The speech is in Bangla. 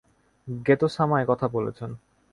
গেতো-সামা একথা বলেছেন।